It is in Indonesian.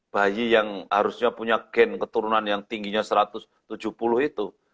bayi yang harusnya punya gen keturunan yang tingginya satu ratus tujuh puluh itu